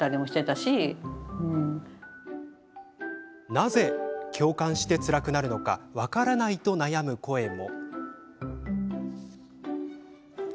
なぜ共感して、つらくなるのか分からないと悩む声も。